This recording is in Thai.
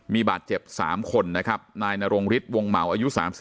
มีบาดเจ็บ๓คนนะครับนายนรงฤทธิวงเหมาอายุ๓๔